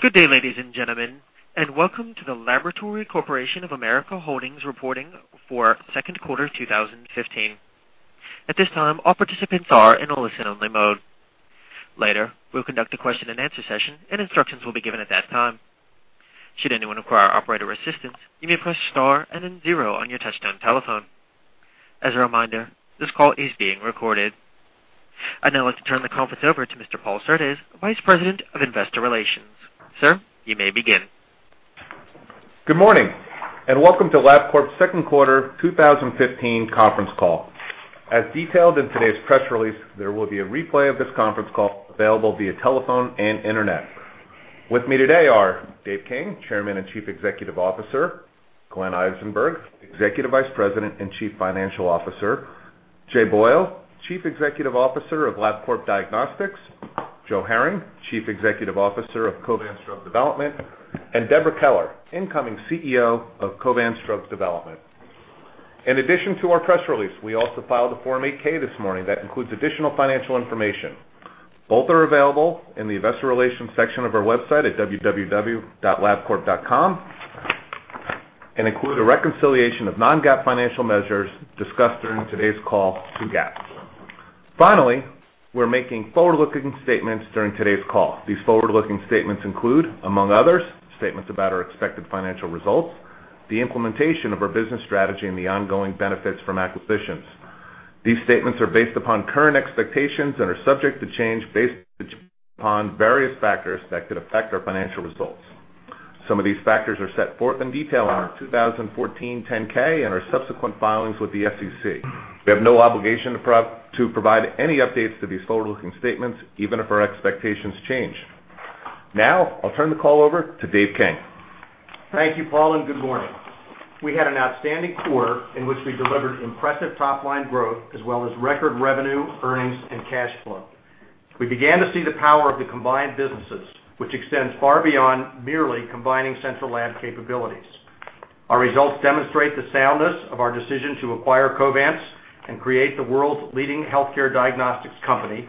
Good day, ladies and gentlemen, and welcome to the Laboratory Corporation of America Holdings reporting for second quarter 2015. At this time, all participants are in a listen-only mode. Later, we'll conduct a question-and-answer session, and instructions will be given at that time. Should anyone require operator assistance, you may press star and then zero on your touch-tone telephone. As a reminder, this call is being recorded. I'd now like to turn the conference over to Mr. Paul Surdez, Vice President of Investor Relations. Sir, you may begin. Good morning, and welcome to Labcorp's second quarter 2015 conference call. As detailed in today's press release, there will be a replay of this conference call available via telephone and internet. With me today are Dave King, Chairman and Chief Executive Officer; Glenn Eisenberg, Executive Vice President and Chief Financial Officer; Jay Boyle, Chief Executive Officer of Labcorp Diagnostics; Joe Herring, Chief Executive Officer of Covance Drug Development; and Deborah Keller, Incoming CEO of Covance Drug Development. In addition to our press release, we also filed a Form 8-K this morning that includes additional financial information. Both are available in the Investor Relations section of our website at www.labcorp.com and include a reconciliation of non-GAAP financial measures discussed during today's call to GAAP. Finally, we're making forward-looking statements during today's call. These forward-looking statements include, among others, statements about our expected financial results, the implementation of our business strategy, and the ongoing benefits from acquisitions. These statements are based upon current expectations and are subject to change based upon various factors that could affect our financial results. Some of these factors are set forth in detail in our 2014 10-K and our subsequent filings with the SEC. We have no obligation to provide any updates to these forward-looking statements, even if our expectations change. Now, I'll turn the call over to Dave King. Thank you, Paul, and good morning. We had an outstanding quarter in which we delivered impressive top-line growth as well as record revenue, earnings, and cash flow. We began to see the power of the combined businesses, which extends far beyond merely combining central lab capabilities. Our results demonstrate the soundness of our decision to acquire Covance and create the world's leading healthcare diagnostics company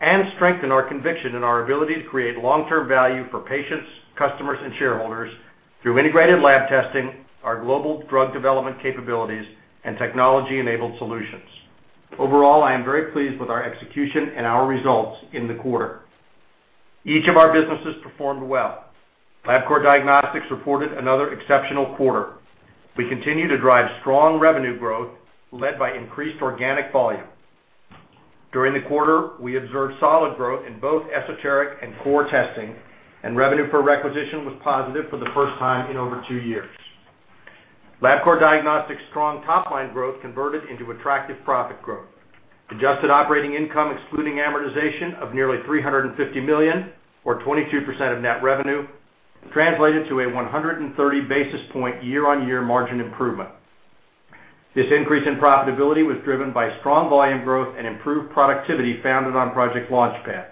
and strengthen our conviction in our ability to create long-term value for patients, customers, and shareholders through integrated lab testing, our global drug development capabilities, and technology-enabled solutions. Overall, I am very pleased with our execution and our results in the quarter. Each of our businesses performed well. Labcorp Diagnostics reported another exceptional quarter. We continue to drive strong revenue growth led by increased organic volume. During the quarter, we observed solid growth in both esoteric and core testing, and revenue per requisition was positive for the first time in over two years. Labcorp Diagnostics' strong top-line growth converted into attractive profit growth. Adjusted operating income, excluding amortization, of nearly $350 million, or 22% of net revenue, translated to a 130 basis point year-on-year margin improvement. This increase in profitability was driven by strong volume growth and improved productivity founded on Project Launchpad.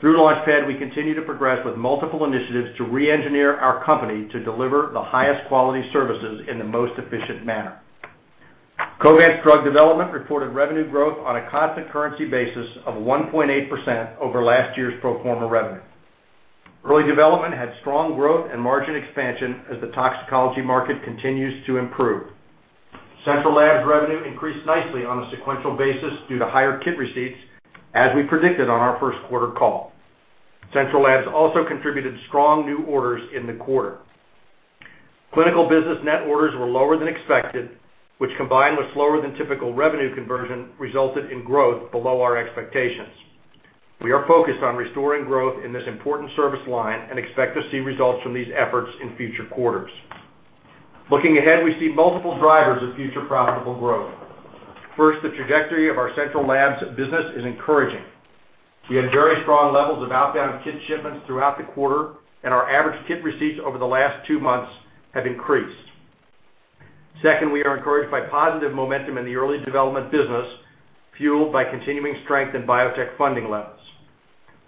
Through Launchpad, we continue to progress with multiple initiatives to re-engineer our company to deliver the highest quality services in the most efficient manner. Covance Drug Development reported revenue growth on a constant currency basis of 1.8% over last year's pro forma revenue. Early development had strong growth and margin expansion as the toxicology market continues to improve. Central lab's revenue increased nicely on a sequential basis due to higher kit receipts, as we predicted on our first quarter call. Central labs also contributed strong new orders in the quarter. Clinical business net orders were lower than expected, which, combined with slower-than-typical revenue conversion, resulted in growth below our expectations. We are focused on restoring growth in this important service line and expect to see results from these efforts in future quarters. Looking ahead, we see multiple drivers of future profitable growth. First, the trajectory of our central labs business is encouraging. We had very strong levels of outbound kit shipments throughout the quarter, and our average kit receipts over the last two months have increased. Second, we are encouraged by positive momentum in the early development business, fueled by continuing strength in biotech funding levels.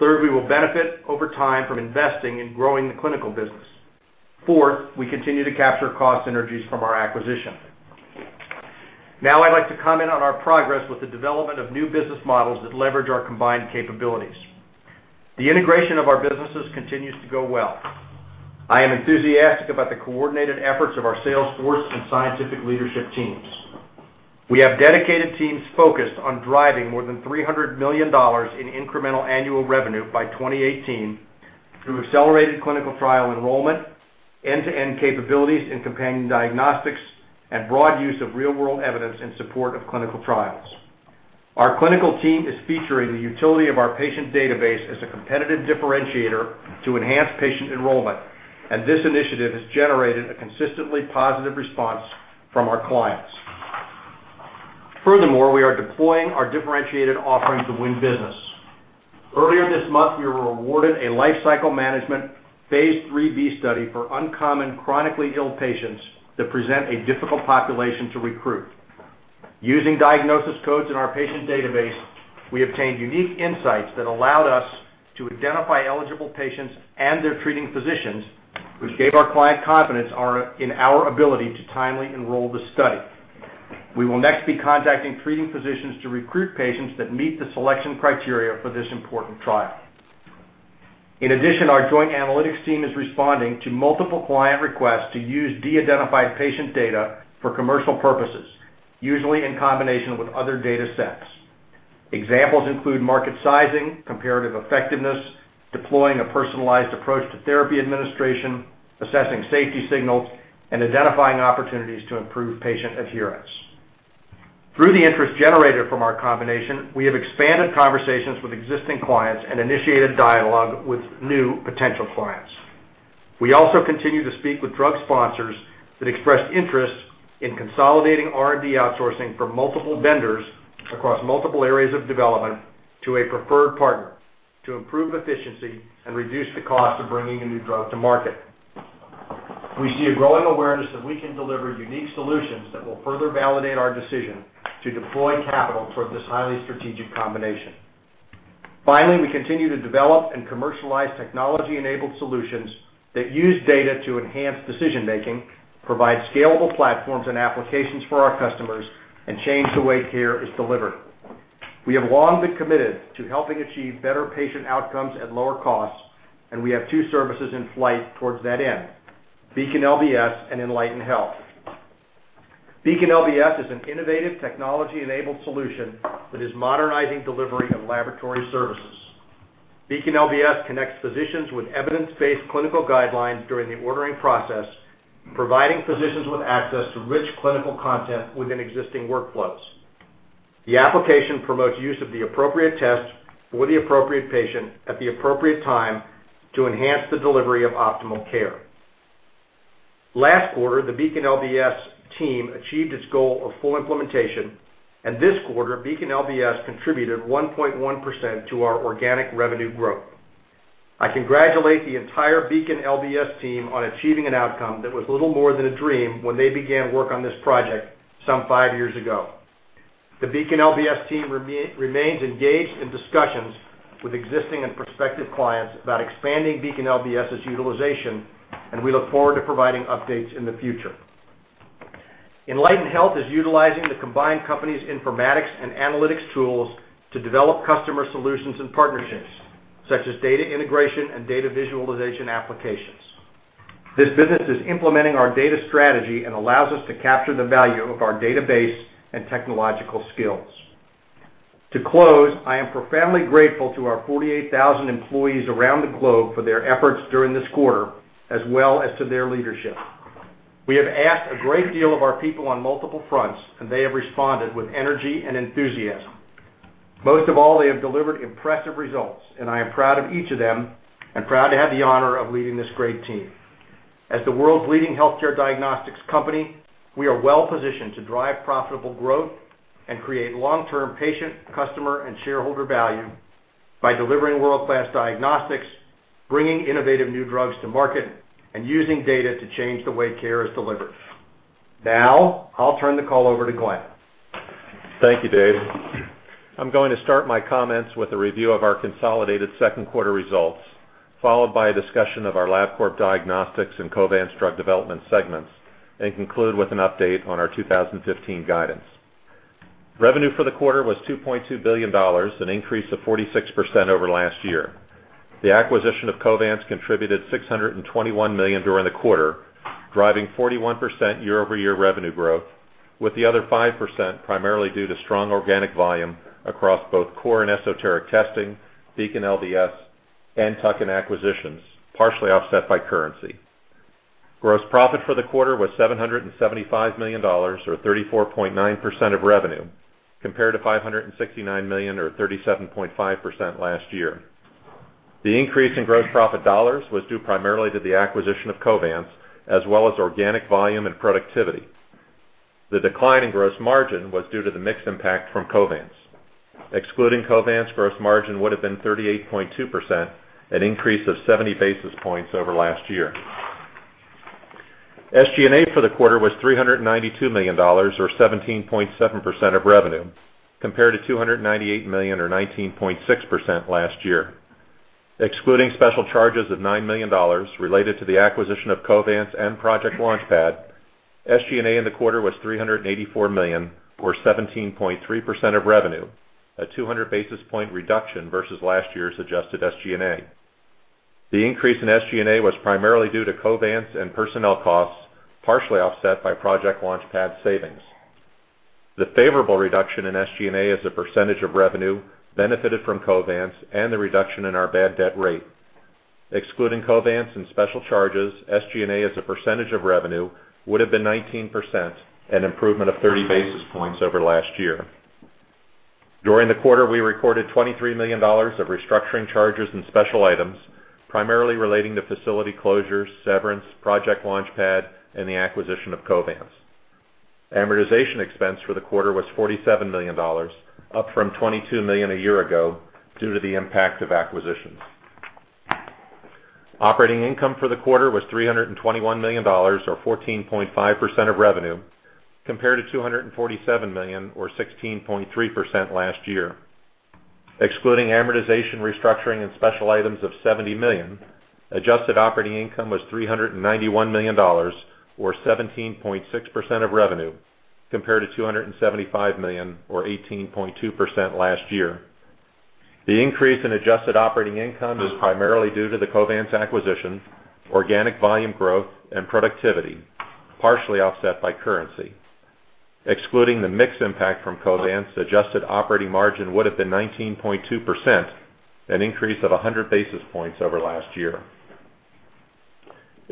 Third, we will benefit over time from investing in growing the clinical business. Fourth, we continue to capture cost synergies from our acquisition. Now, I'd like to comment on our progress with the development of new business models that leverage our combined capabilities. The integration of our businesses continues to go well. I am enthusiastic about the coordinated efforts of our sales force and scientific leadership teams. We have dedicated teams focused on driving more than $300 million in incremental annual revenue by 2018 through accelerated clinical trial enrollment, end-to-end capabilities in companion diagnostics, and broad use of real-world evidence in support of clinical trials. Our clinical team is featuring the utility of our patient database as a competitive differentiator to enhance patient enrollment, and this initiative has generated a consistently positive response from our clients. Furthermore, we are deploying our differentiated offering to win business. Earlier this month, we were awarded a life cycle management phase III-B study for uncommon chronically ill patients that present a difficult population to recruit. Using diagnosis codes in our patient database, we obtained unique insights that allowed us to identify eligible patients and their treating physicians, which gave our client confidence in our ability to timely enroll the study. We will next be contacting treating physicians to recruit patients that meet the selection criteria for this important trial. In addition, our joint analytics team is responding to multiple client requests to use de-identified patient data for commercial purposes, usually in combination with other data sets. Examples include market sizing, comparative effectiveness, deploying a personalized approach to therapy administration, assessing safety signals, and identifying opportunities to improve patient adherence. Through the interest generated from our combination, we have expanded conversations with existing clients and initiated dialogue with new potential clients. We also continue to speak with drug sponsors that expressed interest in consolidating R&D outsourcing from multiple vendors across multiple areas of development to a preferred partner to improve efficiency and reduce the cost of bringing a new drug to market. We see a growing awareness that we can deliver unique solutions that will further validate our decision to deploy capital for this highly strategic combination. Finally, we continue to develop and commercialize technology-enabled solutions that use data to enhance decision-making, provide scalable platforms and applications for our customers, and change the way care is delivered. We have long been committed to helping achieve better patient outcomes at lower costs, and we have two services in flight towards that end: Beacon LBS and Enlighten Health. Beacon LBS is an innovative technology-enabled solution that is modernizing delivery of laboratory services. Beacon LBS connects physicians with evidence-based clinical guidelines during the ordering process, providing physicians with access to rich clinical content within existing workflows. The application promotes use of the appropriate test for the appropriate patient at the appropriate time to enhance the delivery of optimal care. Last quarter, the Beacon LBS team achieved its goal of full implementation, and this quarter, Beacon LBS contributed 1.1% to our organic revenue growth. I congratulate the entire Beacon LBS team on achieving an outcome that was little more than a dream when they began work on this project some five years ago. The Beacon LBS team remains engaged in discussions with existing and prospective clients about expanding Beacon LBS's utilization, and we look forward to providing updates in the future. Enlighten Health is utilizing the combined company's informatics and analytics tools to develop customer solutions and partnerships, such as data integration and data visualization applications. This business is implementing our data strategy and allows us to capture the value of our database and technological skills. To close, I am profoundly grateful to our 48,000 employees around the globe for their efforts during this quarter, as well as to their leadership. We have asked a great deal of our people on multiple fronts, and they have responded with energy and enthusiasm. Most of all, they have delivered impressive results, and I am proud of each of them and proud to have the honor of leading this great team. As the world's leading healthcare diagnostics company, we are well-positioned to drive profitable growth and create long-term patient, customer, and shareholder value by delivering world-class diagnostics, bringing innovative new drugs to market, and using data to change the way care is delivered. Now, I'll turn the call over to Glenn. Thank you, Dave. I'm going to start my comments with a review of our consolidated second quarter results, followed by a discussion of our Labcorp Diagnostics and Covance Drug Development segments, and conclude with an update on our 2015 guidance. Revenue for the quarter was $2.2 billion, an increase of 46% over last year. The acquisition of Covance contributed $621 million during the quarter, driving 41% year-over-year revenue growth, with the other 5% primarily due to strong organic volume across both core and esoteric testing, Beacon LBS, and Tandem Labs acquisitions, partially offset by currency. Gross profit for the quarter was $775 million, or 34.9% of revenue, compared to $569 million, or 37.5% last year. The increase in gross profit dollars was due primarily to the acquisition of Covance, as well as organic volume and productivity. The decline in gross margin was due to the mixed impact from Covance. Excluding Covance, gross margin would have been 38.2%, an increase of 70 basis points over last year. SG&A for the quarter was $392 million, or 17.7% of revenue, compared to $298 million, or 19.6% last year. Excluding special charges of $9 million related to the acquisition of Covance and Project Launchpad, SG&A in the quarter was $384 million, or 17.3% of revenue, a 200 basis point reduction versus last year's adjusted SG&A. The increase in SG&A was primarily due to Covance and personnel costs, partially offset by Project Launchpad savings. The favorable reduction in SG&A as a percentage of revenue benefited from Covance and the reduction in our bad debt rate. Excluding Covance and special charges, SG&A as a percentage of revenue would have been 19%, an improvement of 30 basis points over last year. During the quarter, we recorded $23 million of restructuring charges and special items, primarily relating to facility closures, severance, Project Launchpad, and the acquisition of Covance. Amortization expense for the quarter was $47 million, up from $22 million a year ago due to the impact of acquisitions. Operating income for the quarter was $321 million, or 14.5% of revenue, compared to $247 million, or 16.3% last year. Excluding amortization, restructuring, and special items of $70 million, adjusted operating income was $391 million, or 17.6% of revenue, compared to $275 million, or 18.2% last year. The increase in adjusted operating income is primarily due to the Covance acquisition, organic volume growth, and productivity, partially offset by currency. Excluding the mixed impact from Covance, adjusted operating margin would have been 19.2%, an increase of 100 basis points over last year.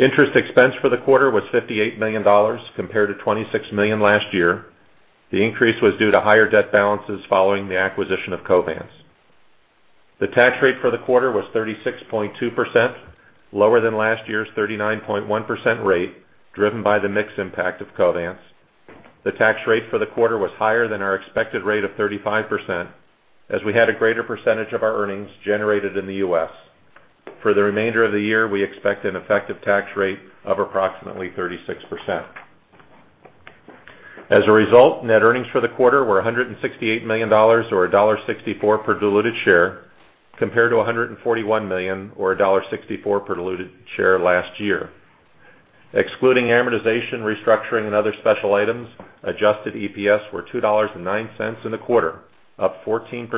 Interest expense for the quarter was $58 million, compared to $26 million last year. The increase was due to higher debt balances following the acquisition of Covance. The tax rate for the quarter was 36.2%, lower than last year's 39.1% rate, driven by the mixed impact of Covance. The tax rate for the quarter was higher than our expected rate of 35%, as we had a greater percentage of our earnings generated in the U.S. For the remainder of the year, we expect an effective tax rate of approximately 36%. As a result, net earnings for the quarter were $168 million, or $1.64 per diluted share, compared to $141 million, or $1.64 per diluted share last year. Excluding amortization, restructuring, and other special items, Adjusted EPS were $2.09 in the quarter, up 14%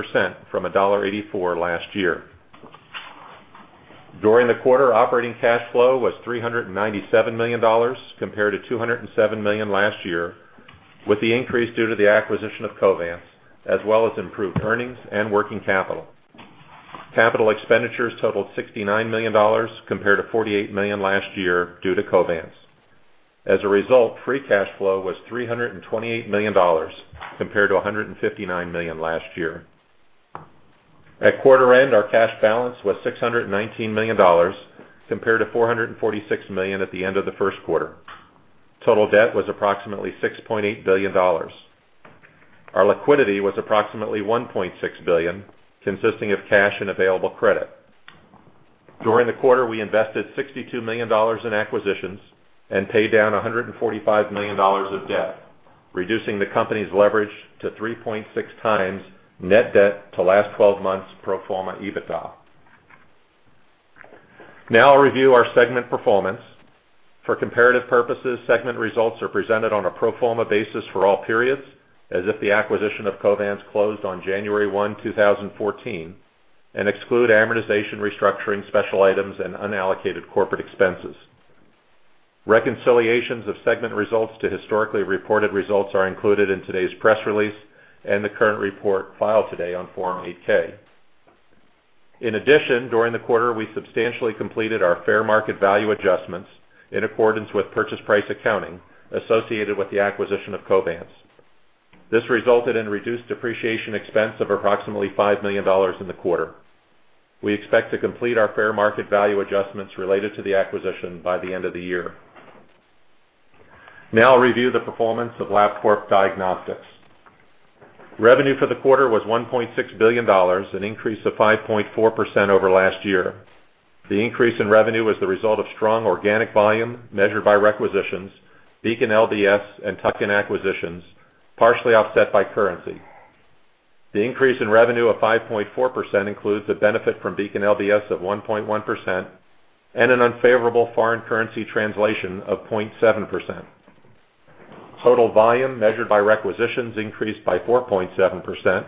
from $1.84 last year. During the quarter, operating cash flow was $397 million, compared to $207 million last year, with the increase due to the acquisition of Covance, as well as improved earnings and working capital. Capital expenditures totaled $69 million, compared to $48 million last year due to Covance. As a result, free cash flow was $328 million, compared to $159 million last year. At quarter end, our cash balance was $619 million, compared to $446 million at the end of the first quarter. Total debt was approximately $6.8 billion. Our liquidity was approximately $1.6 billion, consisting of cash and available credit. During the quarter, we invested $62 million in acquisitions and paid down $145 million of debt, reducing the company's leverage to 3.6x net debt to last 12 months pro forma EBITDA. Now, I'll review our segment performance. For comparative purposes, segment results are presented on a pro forma basis for all periods, as if the acquisition of Covance closed on January 1, 2014, and exclude amortization, restructuring, special items, and unallocated corporate expenses. Reconciliations of segment results to historically reported results are included in today's press release and the current report filed today on Form 8-K. In addition, during the quarter, we substantially completed our fair market value adjustments in accordance with purchase price accounting associated with the acquisition of Covance. This resulted in reduced depreciation expense of approximately $5 million in the quarter. We expect to complete our fair market value adjustments related to the acquisition by the end of the year. Now, I'll review the performance of Labcorp Diagnostics. Revenue for the quarter was $1.6 billion, an increase of 5.4% over last year. The increase in revenue was the result of strong organic volume measured by requisitions, Beacon LBS, and Tandem Labs acquisitions, partially offset by currency. The increase in revenue of 5.4% includes a benefit from Beacon LBS of 1.1% and an unfavorable foreign currency translation of 0.7%. Total volume measured by requisitions increased by 4.7%,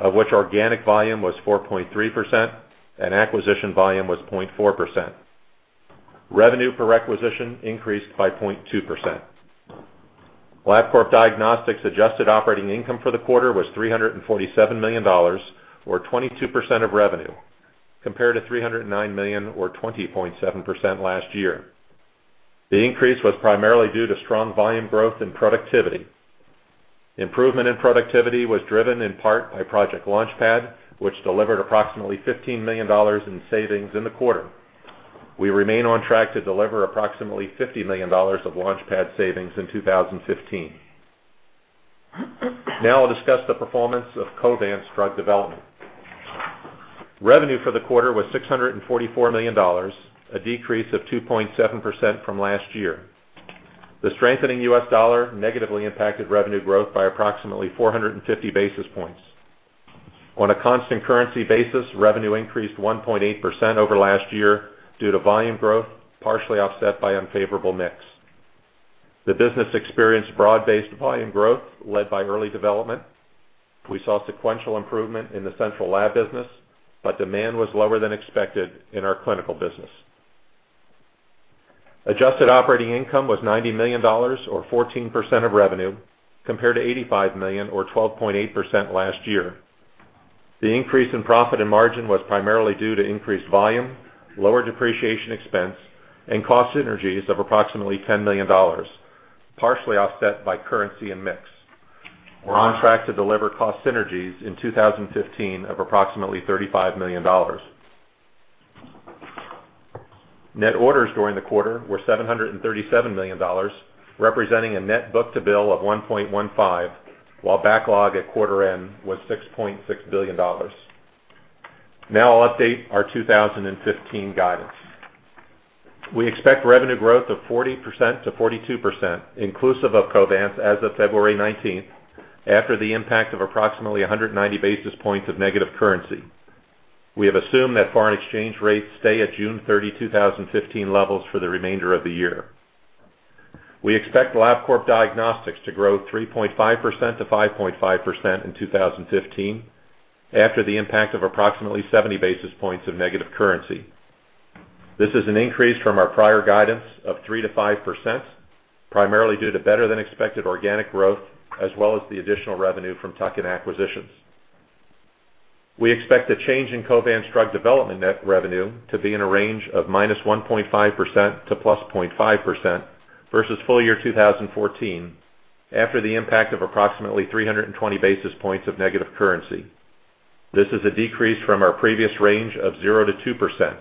of which organic volume was 4.3% and acquisition volume was 0.4%. Revenue per requisition increased by 0.2%. Labcorp Diagnostics' adjusted operating income for the quarter was $347 million, or 22% of revenue, compared to $309 million, or 20.7% last year. The increase was primarily due to strong volume growth and productivity. Improvement in productivity was driven in part by Project Launchpad, which delivered approximately $15 million in savings in the quarter. We remain on track to deliver approximately $50 million of Launchpad savings in 2015. Now, I'll discuss the performance of Covance Drug Development. Revenue for the quarter was $644 million, a decrease of 2.7% from last year. The strengthening U.S. dollar negatively impacted revenue growth by approximately 450 basis points. On a constant currency basis, revenue increased 1.8% over last year due to volume growth, partially offset by unfavorable mix. The business experienced broad-based volume growth led by early development. We saw sequential improvement in the central lab business, but demand was lower than expected in our clinical business. Adjusted operating income was $90 million, or 14% of revenue, compared to $85 million, or 12.8% last year. The increase in profit and margin was primarily due to increased volume, lower depreciation expense, and cost synergies of approximately $10 million, partially offset by currency and mix. We're on track to deliver cost synergies in 2015 of approximately $35 million. Net orders during the quarter were $737 million, representing a net book to bill of 1.15x, while backlog at quarter end was $6.6 billion. Now, I'll update our 2015 guidance. We expect revenue growth of 40%-42%, inclusive of Covance, as of February 19, after the impact of approximately 190 basis points of negative currency. We have assumed that foreign exchange rates stay at June 30, 2015, levels for the remainder of the year. We expect Labcorp Diagnostics to grow 3.5%-5.5% in 2015, after the impact of approximately 70 basis points of negative currency. This is an increase from our prior guidance of 3%-5%, primarily due to better-than-expected organic growth, as well as the additional revenue from Tandem Labs acquisitions. We expect a change in Covance Drug Development net revenue to be in a range of -1.5% to +0.5% versus full year 2014, after the impact of approximately 320 basis points of negative currency. This is a decrease from our previous range of 0%-2%.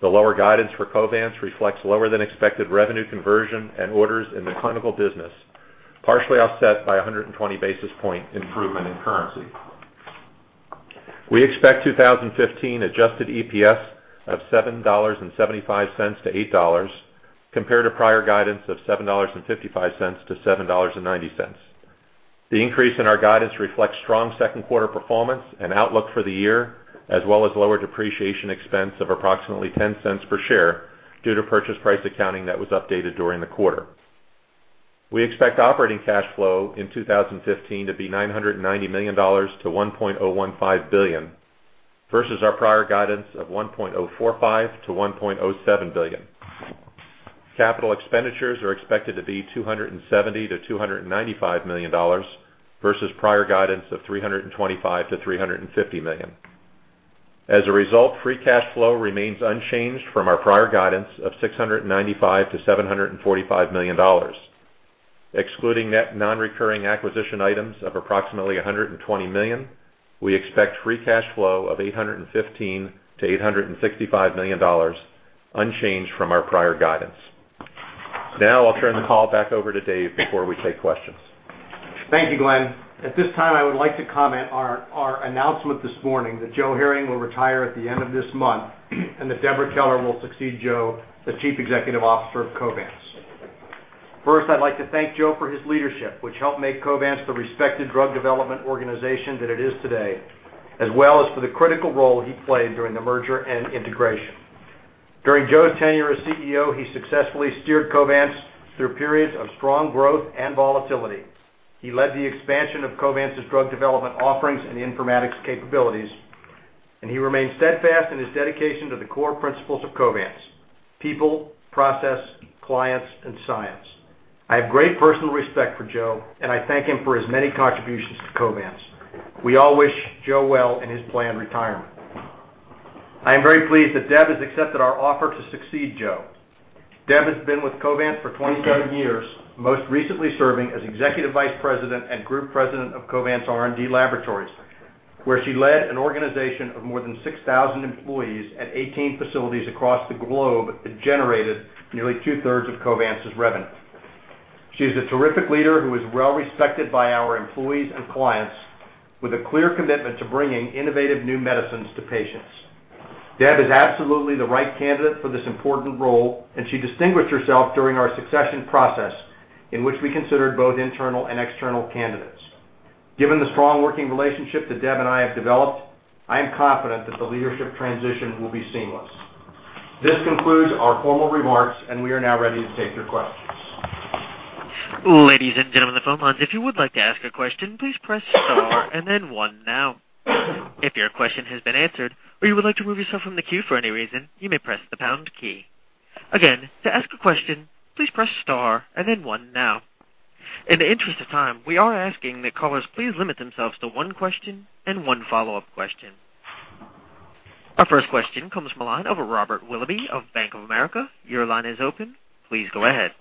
The lower guidance for Covance reflects lower-than-expected revenue conversion and orders in the clinical business, partially offset by 120 basis point improvement in currency. We expect 2015 Adjusted EPS of $7.75-$8, compared to prior guidance of $7.55-$7.90. The increase in our guidance reflects strong second quarter performance and outlook for the year, as well as lower depreciation expense of approximately $0.10 per share due to purchase price accounting that was updated during the quarter. We expect operating cash flow in 2015 to be $990 million-$1.015 billion, versus our prior guidance of $1.045 billion-$1.07 billion. Capital expenditures are expected to be $270 million-$295 million versus prior guidance of $325 million-$350 million. As a result, free cash flow remains unchanged from our prior guidance of $695 million-$745 million. Excluding net non-recurring acquisition items of approximately $120 million, we expect free cash flow of $815 million-$865 million, unchanged from our prior guidance. Now, I'll turn the call back over to Dave before we take questions. Thank you, Glenn. At this time, I would like to comment on our announcement this morning that Joe Herring will retire at the end of this month and that Deborah Keller will succeed Joe as the Chief Executive Officer of Covance. First, I'd like to thank Joe for his leadership, which helped make Covance the respected drug development organization that it is today, as well as for the critical role he played during the merger and integration. During Joe's tenure as CEO, he successfully steered Covance through periods of strong growth and volatility. He led the expansion of Covance's drug development offerings and informatics capabilities, and he remained steadfast in his dedication to the core principles of Covance: people, process, clients, and science. I have great personal respect for Joe, and I thank him for his many contributions to Covance. We all wish Joe well in his planned retirement. I am very pleased that Deb has accepted our offer to succeed Joe. Deb has been with Covance for 27 years, most recently serving as Executive Vice President and Group President of Covance R&D Laboratories, where she led an organization of more than 6,000 employees at 18 facilities across the globe that generated nearly 2/3 of Covance's revenue. She is a terrific leader who is well-respected by our employees and clients, with a clear commitment to bringing innovative new medicines to patients. Deb is absolutely the right candidate for this important role, and she distinguished herself during our succession process, in which we considered both internal and external candidates. Given the strong working relationship that Deb and I have developed, I am confident that the leadership transition will be seamless. This concludes our formal remarks, and we are now ready to take your questions. Ladies and gentlemen of the phone lines, if you would like to ask a question, please press star and then one now. If your question has been answered or you would like to move yourself from the queue for any reason, you may press the pound key. Again, to ask a question, please press star and then one now. In the interest of time, we are asking that callers please limit themselves to one question and one follow-up question. Our first question comes from a line of Robert Willoughby of Bank of America. Your line is open. Please go ahead.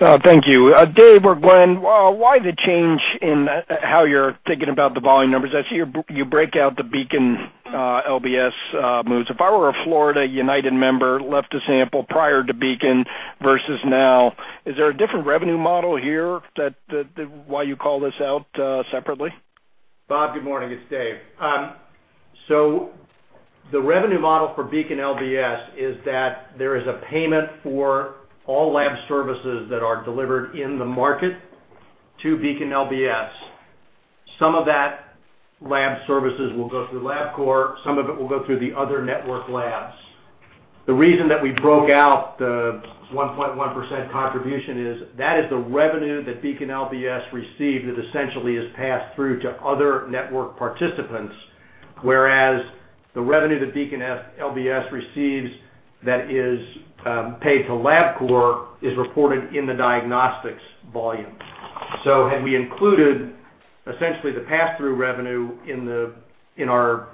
Thank you. Dave or Glenn, why the change in how you're thinking about the volume numbers? I see you break out the Beacon LBS moves. If I were a Florida United member, left a sample prior to Beacon versus now, is there a different revenue model here that is why you call this out separately? Bob, good morning. It's Dave. The revenue model for Beacon LBS is that there is a payment for all lab services that are delivered in the market to Beacon LBS. Some of that lab services will go through Labcorp; some of it will go through the other network labs. The reason that we broke out the 1.1% contribution is that is the revenue that Beacon LBS received that essentially is passed through to other network participants, whereas the revenue that Beacon LBS receives that is paid to Labcorp is reported in the diagnostics volume. Had we included essentially the pass-through revenue in our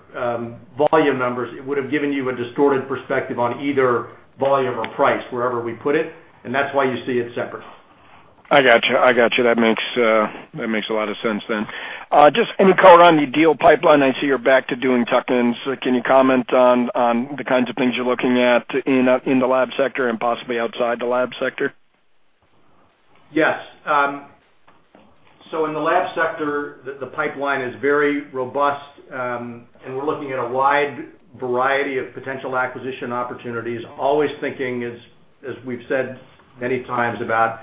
volume numbers, it would have given you a distorted perspective on either volume or price, wherever we put it, and that's why you see it separate. I gotcha. I gotcha. That makes a lot of sense then. Just any color on the deal pipeline? I see you're back to doing tuck-ins. Can you comment on the kinds of things you're looking at in the lab sector and possibly outside the lab sector? Yes. In the lab sector, the pipeline is very robust, and we're looking at a wide variety of potential acquisition opportunities, always thinking, as we've said many times, about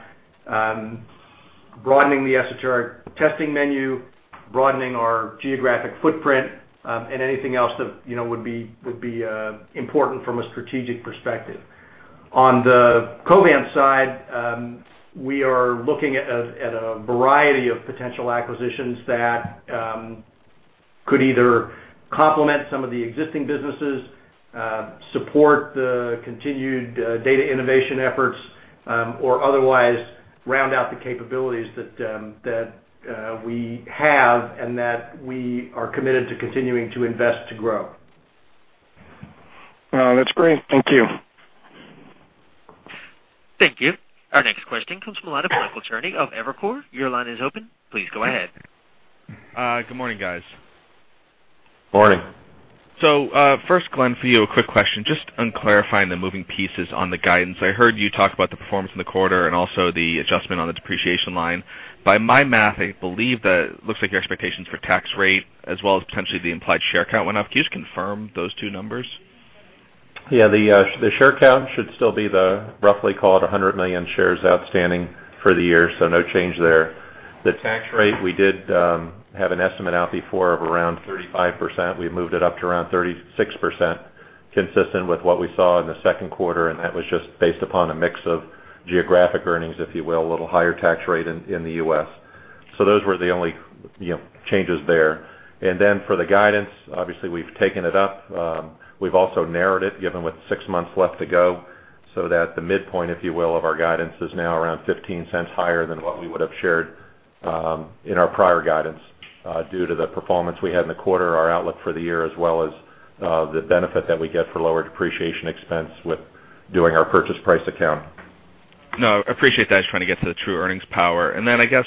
broadening the esoteric testing menu, broadening our geographic footprint, and anything else that would be important from a strategic perspective. On the Covance side, we are looking at a variety of potential acquisitions that could either complement some of the existing businesses, support the continued data innovation efforts, or otherwise round out the capabilities that we have and that we are committed to continuing to invest to grow. That's great. Thank you. Thank you. Our next question comes from the line of [Michael Charity] of Evercore. Your line is open. Please go ahead. Good morning, guys. Morning. First, Glenn, for you, a quick question. Just on clarifying the moving pieces on the guidance, I heard you talk about the performance in the quarter and also the adjustment on the depreciation line. By my math, I believe that it looks like your expectations for tax rate as well as potentially the implied share count went up. Can you just confirm those two numbers? Yeah. The share count should still be the roughly called 100 million shares outstanding for the year, so no change there. The tax rate, we did have an estimate out before of around 35%. We moved it up to around 36%, consistent with what we saw in the second quarter, and that was just based upon a mix of geographic earnings, if you will, a little higher tax rate in the U.S. Those were the only changes there. For the guidance, obviously, we've taken it up. We've also narrowed it, given with six months left to go, so that the midpoint, if you will, of our guidance is now around $0.15 higher than what we would have shared in our prior guidance due to the performance we had in the quarter, our outlook for the year, as well as the benefit that we get for lower depreciation expense with doing our purchase price account. No. I appreciate that. I was trying to get to the true earnings power. And then I guess,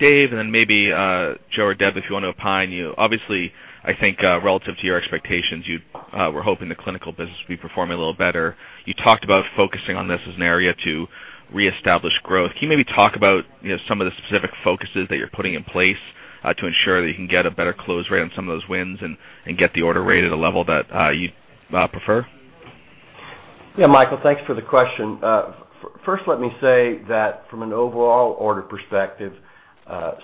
Dave, and then maybe Joe or Deb, if you want to opine, you. Obviously, I think relative to your expectations, you were hoping the clinical business would be performing a little better. You talked about focusing on this as an area to reestablish growth. Can you maybe talk about some of the specific focuses that you're putting in place to ensure that you can get a better close rate on some of those wins and get the order rate at a level that you prefer? Yeah, Michael, thanks for the question. First, let me say that from an overall order perspective,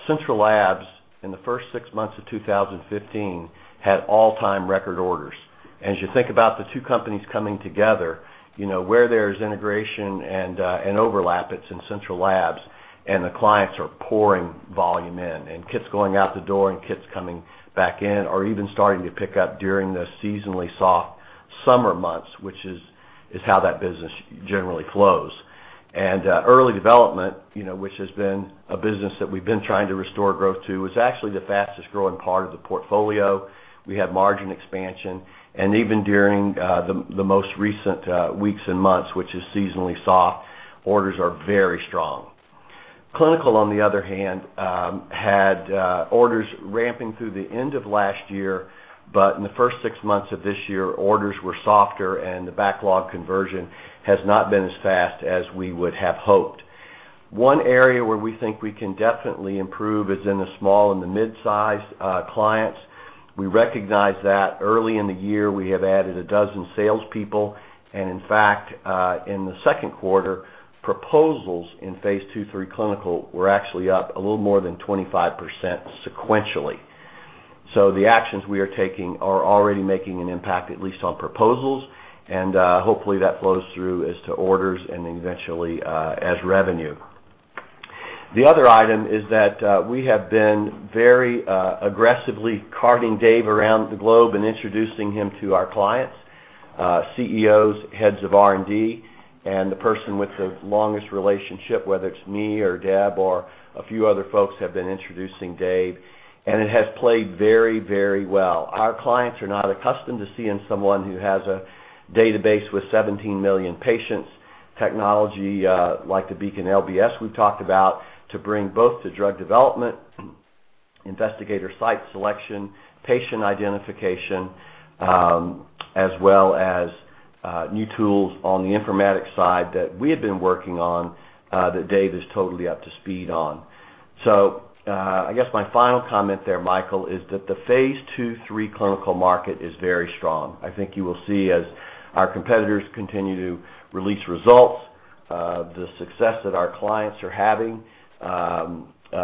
Central Labs in the first six months of 2015 had all-time record orders. As you think about the two companies coming together, where there is integration and overlap, it's in Central Labs, and the clients are pouring volume in. Kits going out the door and kits coming back in are even starting to pick up during the seasonally soft summer months, which is how that business generally flows. Early development, which has been a business that we've been trying to restore growth to, is actually the fastest growing part of the portfolio. We have margin expansion, and even during the most recent weeks and months, which is seasonally soft, orders are very strong. Clinical, on the other hand, had orders ramping through the end of last year, but in the first six months of this year, orders were softer, and the backlog conversion has not been as fast as we would have hoped. One area where we think we can definitely improve is in the small and the mid-size clients. We recognize that early in the year, we have added a dozen salespeople, and in fact, in the second quarter, proposals in phase two through clinical were actually up a little more than 25% sequentially. The actions we are taking are already making an impact, at least on proposals, and hopefully that flows through as to orders and eventually as revenue. The other item is that we have been very aggressively carting Dave around the globe and introducing him to our clients, CEOs, heads of R&D, and the person with the longest relationship, whether it's me or Deb or a few other folks, have been introducing Dave, and it has played very, very well. Our clients are not accustomed to seeing someone who has a database with 17 million patients, technology like the Beacon LBS we talked about to bring both to drug development, investigator site selection, patient identification, as well as new tools on the informatics side that we have been working on that Dave is totally up to speed on. I guess my final comment there, Michael, is that the phase two through clinical market is very strong. I think you will see as our competitors continue to release results, the success that our clients are having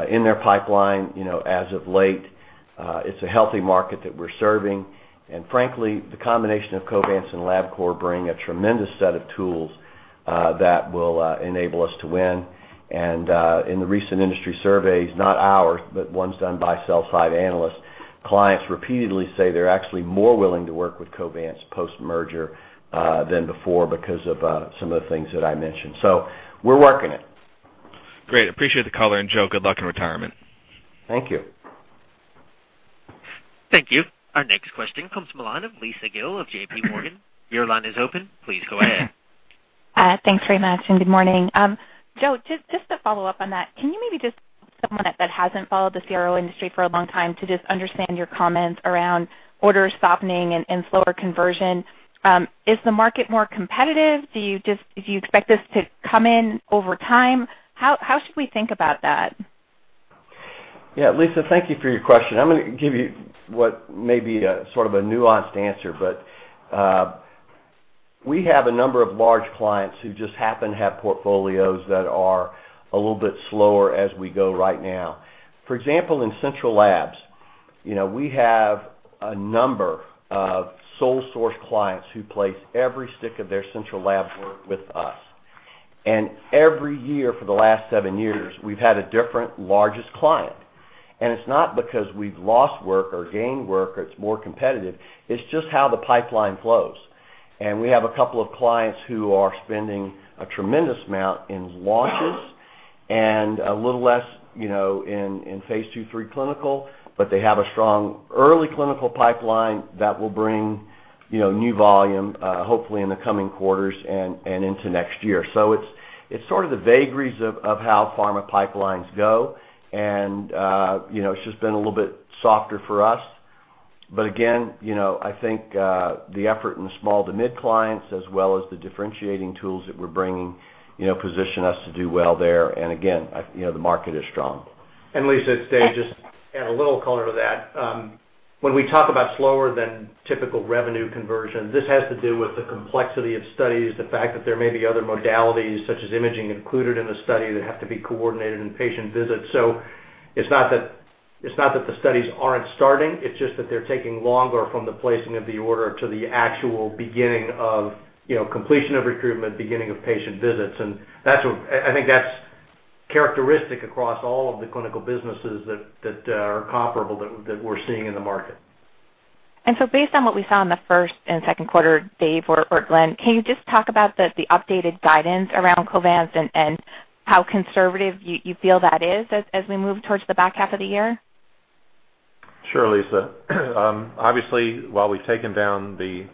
in their pipeline as of late. It's a healthy market that we're serving, and frankly, the combination of Covance and Labcorp bring a tremendous set of tools that will enable us to win. In the recent industry surveys, not ours, but ones done by sell-side analysts, clients repeatedly say they're actually more willing to work with Covance post-merger than before because of some of the things that I mentioned. We're working it. Great. Appreciate the color, and Joe, good luck in retirement. Thank you. Thank you. Our next question comes from a line of Lisa Gill of JPMorgan. Your line is open. Please go ahead. Thanks very much, and good morning. Joe, just to follow up on that, can you maybe just, someone that hasn't followed the CRO industry for a long time, just understand your comments around orders softening and slower conversion? Is the market more competitive? Do you expect this to come in over time? How should we think about that? Yeah, Lisa, thank you for your question. I'm going to give you what may be sort of a nuanced answer, but we have a number of large clients who just happen to have portfolios that are a little bit slower as we go right now. For example, in Central Labs, we have a number of sole-source clients who place every stick of their Central Lab work with us. Every year for the last seven years, we've had a different largest client. It's not because we've lost work or gained work or it's more competitive. It's just how the pipeline flows. We have a couple of clients who are spending a tremendous amount in launches and a little less in phase II through clinical, but they have a strong early clinical pipeline that will bring new volume, hopefully in the coming quarters and into next year. It's sort of the vagaries of how pharma pipelines go, and it's just been a little bit softer for us. Again, I think the effort in the small to mid-clients, as well as the differentiating tools that we're bringing, position us to do well there. Again, the market is strong. Lisa, Dave, just to add a little color to that, when we talk about slower than typical revenue conversion, this has to do with the complexity of studies, the fact that there may be other modalities such as imaging included in the study that have to be coordinated in patient visits. It's not that the studies aren't starting. It's just that they're taking longer from the placing of the order to the actual beginning of completion of recruitment, beginning of patient visits. I think that's characteristic across all of the clinical businesses that are comparable that we're seeing in the market. Based on what we saw in the first and second quarter, Dave or Glenn, can you just talk about the updated guidance around Covance and how conservative you feel that is as we move towards the back half of the year? Sure, Lisa. Obviously, while we've taken down the